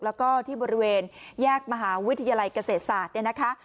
แล้วก็ที่บริเวณแยกมหาวิทยาลัยเกษตรศาสตร์เนี่ยนะคะ